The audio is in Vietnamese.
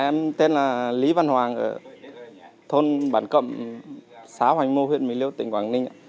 em tên là lý văn hoàng thôn bản cộng xã hoành mô huyện mình liêu tỉnh quảng ninh